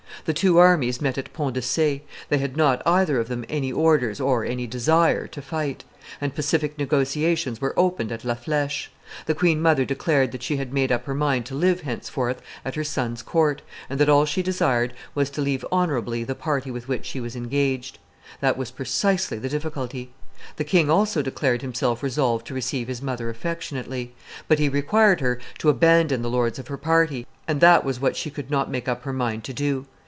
The two armies met at Ponts de Ce; they had not, either of them, any orders or any desire to fight; and pacific negotiations were opened at La Fleche. The queen mother declared that she had made up her mind to live henceforth at her son's court, and that all she desired was to leave honorably the party with which she was engaged. That was precisely the difficulty. The king also declared himself resolved to receive his mother affectionately; but he required her to abandon the lords of her party, and that was what she could not make up her mind to do.